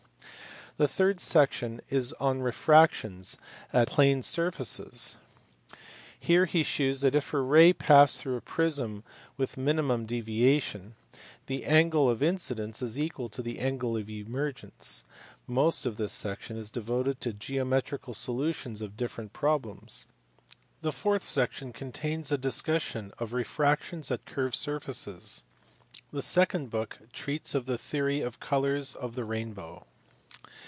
The third section is on refractions at plane surfaces ; he here shews that if a ray pass through a prism with minimum deviation, the angle of incidence is equal to the angle of emergence most of this section is devoted to geometrical solutions of different problems. The fourth section contains a discussion of refractions at curved surfaces. The second book treats of his theory of colours and of the rainbow.